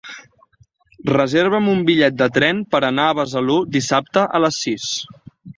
Reserva'm un bitllet de tren per anar a Besalú dissabte a les sis.